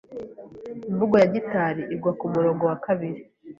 Imvugo ya "gitari" igwa kumurongo wa kabiri.